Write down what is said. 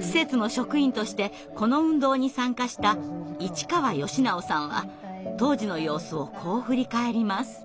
施設の職員としてこの運動に参加した市川義直さんは当時の様子をこう振り返ります。